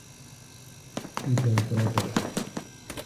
» είπε ο πρώτος